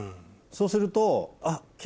そうすると。